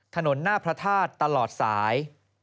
ถนนหน้าพระธาตุตลอดสาย